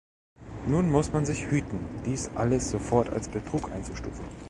Nun muss man sich hüten, dies alles sofort als Betrug einzustufen.